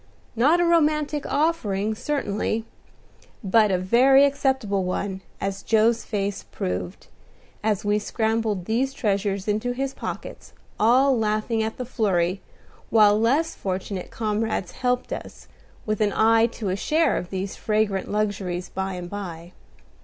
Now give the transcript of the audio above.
Not a romantic offering, certainly, but a very acceptable one, as Joe's face proved, as we scrambled these treasures into his pockets, all laughing at the flurry, while less fortunate comrades helped us, with an eye to a share of these fragrant luxuries by and by.